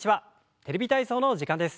「テレビ体操」の時間です。